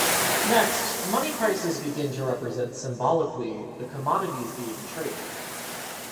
Next, money-prices begin to represent symbolically the commodities being traded.